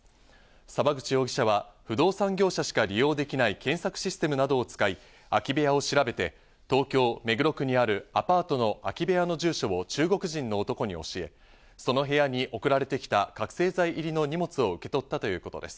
沢口容疑者は不動産業者しか利用できない検索システムなどを使い空き部屋を調べて、東京・目黒区にあるアパートの空き部屋の住所を中国人の男に教え、その部屋に送られてきた覚せい剤入りの荷物を受け取ったということです。